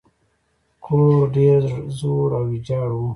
کور ډیر زوړ او ویجاړ و.